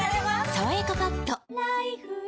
「さわやかパッド」